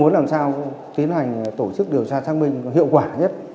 và cái tâm lý của anh em cũng mong muốn làm sao tiến hành tổ chức điều tra xác minh hiệu quả nhất